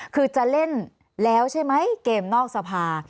คือจะเล่นแล้วใช่ไหมเกมนอกสภา